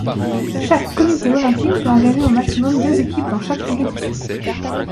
Chaque Comité olympique peut engager au maximum deux équipes dans chaque compétition.